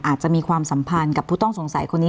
อาจจะมีความสัมพันธ์กับผู้ต้องสงสัยคนนี้